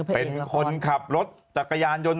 เป็นคนขับรถตะกาญาณยนต์